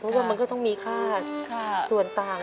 เพราะว่ามันก็ต้องมีค่าส่วนต่าง